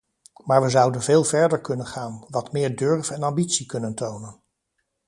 Maar we zouden veel verder kunnen gaan, wat meer durf en ambitie kunnen tonen.